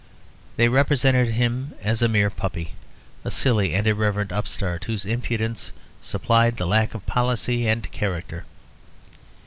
They represented him as a mere puppy, a silly and irreverent upstart whose impudence supplied the lack of policy and character.